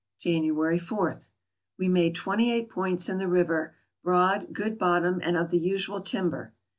January 4. — We made twenty eight points in the river; broad, good bottom, and of the usual timber.